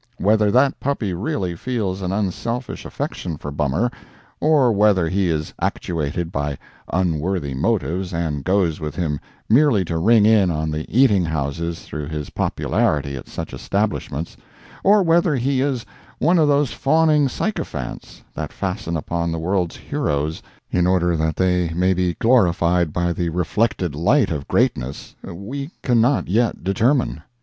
Whether that puppy really feels an unselfish affection for Bummer, or whether he is actuated by unworthy motives, and goes with him merely to ring in on the eating houses through his popularity at such establishments, or whether he is one of those fawning sycophants that fasten upon the world's heroes in order that they may be glorified by the reflected light of greatness, we can not yet determine.